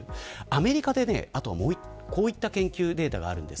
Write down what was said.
アメリカでこういった研究データがあるんです。